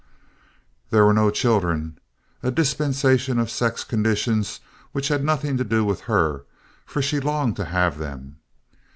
There were no children—a dispensation of sex conditions which had nothing to do with her, for she longed to have them.